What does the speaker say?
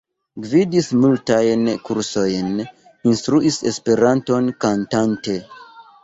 Gvidis multajn kursojn; instruis Esperanton kantante.